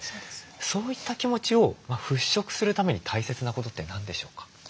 そういった気持ちを払拭するために大切なことって何でしょうか？